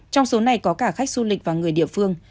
trong số này có cả khách du lịch và người địa phương